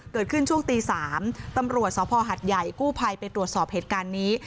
เกิดขึ้นช่วงตี๓ตำรวจสภหัดใหญ่กู้ภัยไปตรวจสอบเหตุการณ์นี้